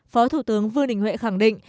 phó thủ tướng vương đình huệ khẳng định